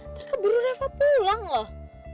ntar keburu reva pulang loh